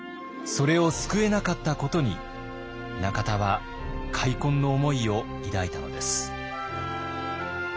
それを救えなかったことに中田は悔恨の思いを抱いたのです。